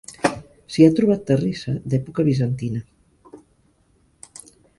S'hi ha trobat terrissa d'època bizantina.